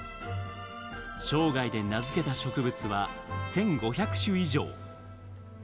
生涯で名付けた植物は１５００種以上。